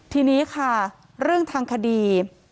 ทีนี้ค่ะเรื่องทางคดี